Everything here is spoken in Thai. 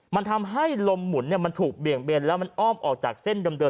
มันทำให้ลมหมุนมันถูกเบี่ยงเบนแล้วมันอ้อมออกจากเส้นเดิม